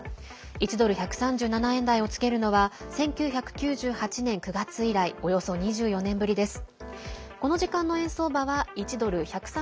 １ドル＝１３７円台をつけるのは１９９８年９月以来およそ２４年ぶりです。